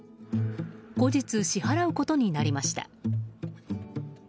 後日支払うことになりました。